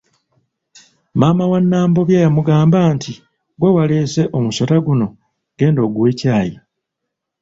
Maama wa Nambobya yamugamba nti ggwe waleese omusota guno, genda oguwe caayi.